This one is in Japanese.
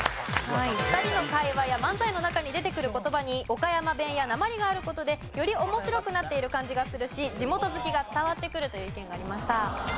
２人の会話や漫才の中に出てくる言葉に岡山弁やなまりがある事でより面白くなっている感じがするし地元好きが伝わってくるという意見がありました。